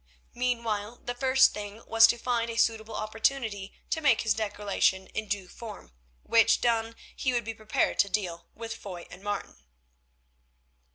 Meanwhile, the first thing was to find a suitable opportunity to make his declaration in due form, which done he would be prepared to deal with Foy and Martin.